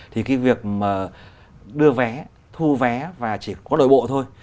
thì cái việc mà đưa vé thu vé và chỉ có đội bộ thôi